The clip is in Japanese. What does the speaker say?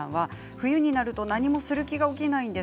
冬になると何もする気が起きないんです。